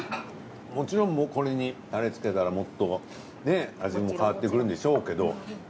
もちろんもうこれにタレつけたらもっとね味も変わってくるんでしょうけど。